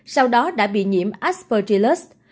sau đó đã bị nhiễm aspergillus